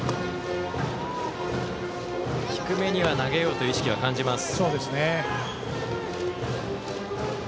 低めには投げようという意識は感じます。